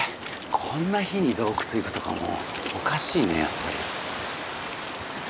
こんな日に洞窟行くとかもうおかしいねやっぱり。